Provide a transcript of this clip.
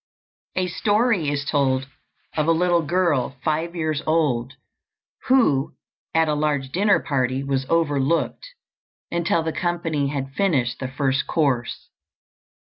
A story is told of a little girl, five years old, who at a large dinner party was overlooked until the company had finished the first course.